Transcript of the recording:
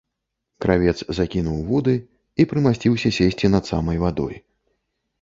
Кравец закінуў вуды і прымасціўся сесці над самай вадой.